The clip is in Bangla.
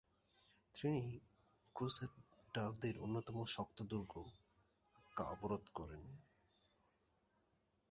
তিনি ক্রুসেডারদের অন্যতম শক্ত দুর্গ আক্কা অবরোধ করেন।